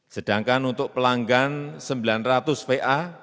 sedangkan untuk pelanggan sembilan ratus va